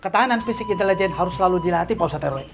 ketahanan fisika intelijen harus selalu dilatih polstadere